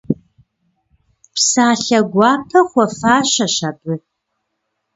Псалъэ гуапэ хуэфащэщ абы.